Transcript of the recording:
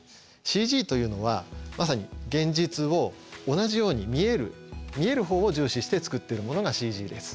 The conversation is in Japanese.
ＣＧというのはまさに現実を同じように見える見える方を重視して作ってるものがＣＧです。